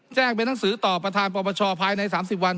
แจ้งเป็นหนังสือต่อประธานประประชาภายในสามสิบวัน